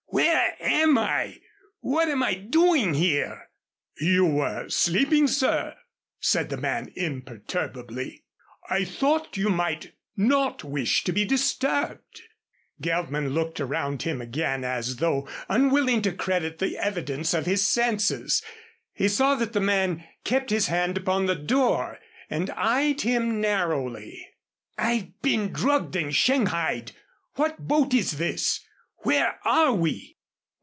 Where am I? What am I doing here?" "You were sleeping, sir," said the man, imperturbably. "I thought you might not wish to be disturbed." Geltman looked around him again as though unwilling to credit the evidence of his senses. He saw that the man kept his hand upon the door and eyed him narrowly. "I've been drugged and shanghaied. What boat is this? Where are we?"